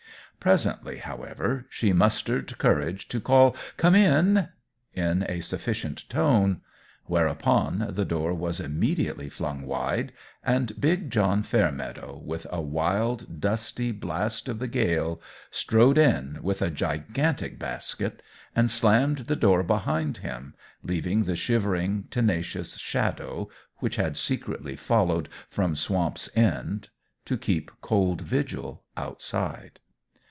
Presently, however, she mustered courage to call "Come in!" in a sufficient tone: whereupon, the door was immediately flung wide, and big John Fairmeadow, with a wild, dusty blast of the gale, strode in with a gigantic basket, and slammed the door behind him, leaving the shivering, tenacious Shadow, which had secretly followed from Swamp's End, to keep cold vigil outside.